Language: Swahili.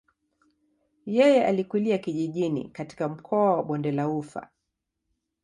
Yeye alikulia kijijini katika mkoa wa bonde la ufa.